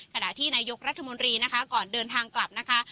ขณะที่นายกรัฐมนตรีนะคะก่อนเดินทางกลับนะคะ